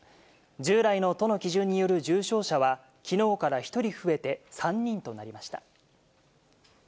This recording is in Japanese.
従来の都の基準による重症者は、きのうから１人増えて３人となりました。